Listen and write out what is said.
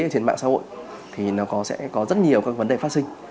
trên mạng xã hội thì nó sẽ có rất nhiều các vấn đề phát sinh